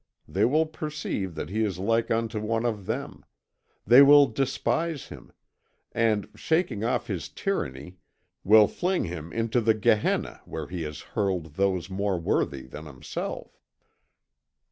They will perceive that he is like unto one of them; they will despise him, and, shaking off his tyranny, will fling him into the Gehenna where he has hurled those more worthy than himself."